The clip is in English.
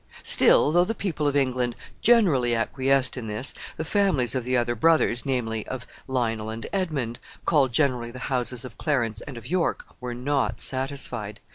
Still, though the people of England generally acquiesced in this, the families of the other brothers, namely, of Lionel and Edmund, called generally the houses of Clarence and of York, were not satisfied.